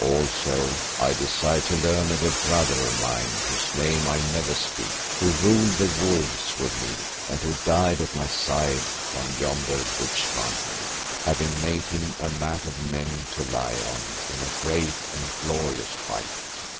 Also I desire to learn of a brother of mine whose name I never speak, who ruled the wolves with me and who died at my side on yonder Witch Mountain, having made him a mat of men to lie on in a great and glorious fight.